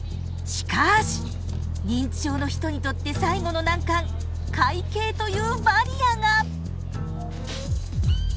しかし認知症の人にとって最後の難関会計というバリアが！